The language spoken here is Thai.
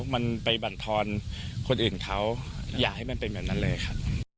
มันไปบรรทรคนอื่นเขาอยากให้มันเป็นเหมือนนั้นเลยค่ะ